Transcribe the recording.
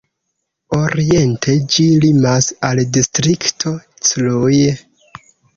Oriente ĝi limas al distrikto Cluj.